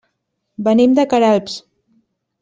Venim de Queralbs.